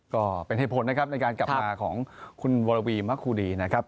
ก็เป็นเหตุผลนะครับในการกลับมาของคุณวรวีมะคูดีนะครับ